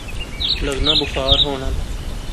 لغنا بخار ہون آلا